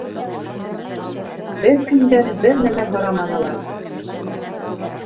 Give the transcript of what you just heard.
Бер кемдән бер нәмә һораманылар.